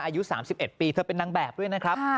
อายุ๓๑ปีเธอเป็นนางแบบด้วยนะครับ